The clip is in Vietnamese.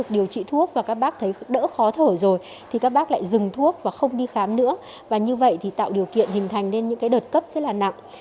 dừng thuốc và không đi khám nữa và như vậy thì tạo điều kiện hình thành nên những đợt cấp rất là nặng